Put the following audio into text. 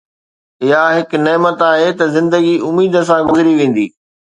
اها هڪ نعمت آهي ته زندگي اميد سان گذري ويندي